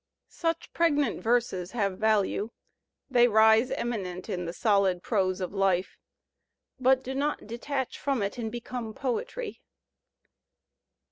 Such pregnant verses have value. They rise eminent in the soUd prose of life, but do not detach from it and become poetry.